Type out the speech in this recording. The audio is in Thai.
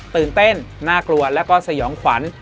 ตื่นเต้นน่ากลัวแล้วก็สยองขวัญ